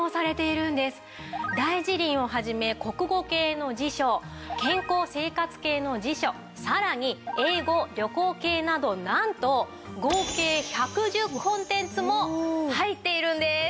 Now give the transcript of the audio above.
『大辞林』を始め国語系の辞書健康・生活系の辞書さらに英語・旅行系などなんと合計１１０コンテンツも入っているんです。